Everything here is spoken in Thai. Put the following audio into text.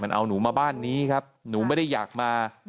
เอาหนูมาบ้านนี้ครับหนูไม่ได้อยากมา